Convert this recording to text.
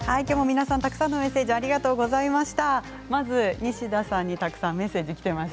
皆さんメッセージありがとうございます。